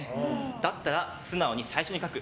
だったら、素直に最初に書く。